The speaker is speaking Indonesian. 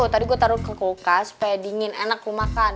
tadi gue taruh ke kulkas supaya dingin enak gue makan